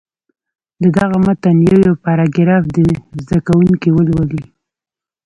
د دغه متن یو یو پاراګراف دې زده کوونکي ولولي.